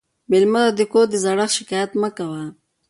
مېلمه ته د کور د زړښت شکایت مه کوه.